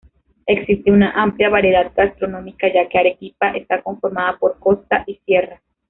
Existe una amplia variedad gastronómica ya que Arequipa está conformada por costa y sierra.